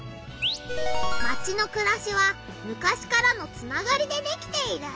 マチのくらしは昔からのつながりでできている。